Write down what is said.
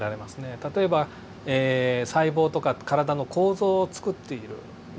例えば細胞とか体の構造をつくっているまあ